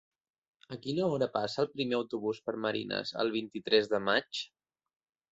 A quina hora passa el primer autobús per Marines el vint-i-tres de maig?